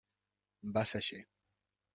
Va ser així.